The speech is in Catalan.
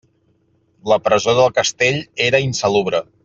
La presó del castell era insalubre.